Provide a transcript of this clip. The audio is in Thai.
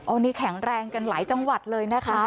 อันนี้แข็งแรงกันหลายจังหวัดเลยนะคะ